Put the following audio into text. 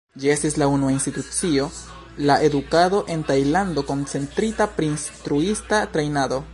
Ĝi estis la unua institucio pri la edukado en Tajlando, koncentrita pri instruista trejnado.